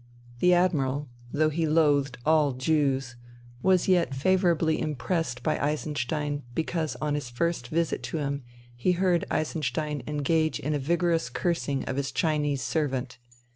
The Admiral, though he loathed all Jews, was yet favourably impressed by Eisenstein because on his first visit to him he heard Eisenstein engage in a vigorous cursing of his Chinese servant.